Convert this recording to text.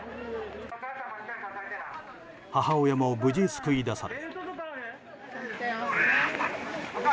母親も無事、救い出され。